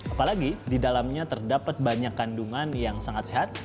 apalagi di dalamnya terdapat banyak kandungan yang sangat sehat